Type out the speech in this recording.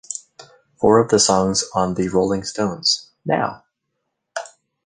Four of the songs on The Rolling Stones, Now!